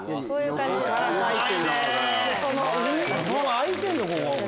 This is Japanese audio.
開いてんのここ。